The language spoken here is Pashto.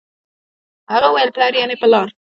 هغه وويل پلار يعنې په لار